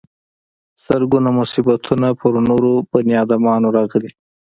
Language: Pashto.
زرګونه مصیبتونه پر نورو بني ادمانو راغلي.